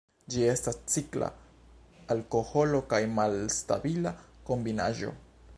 Ĝi estas cikla alkoholo kaj malstabila kombinaĵo.